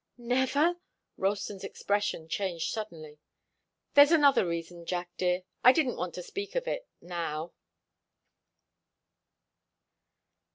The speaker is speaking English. "Never?" Ralston's expression changed suddenly. "There's another reason, Jack dear. I didn't want to speak of it now."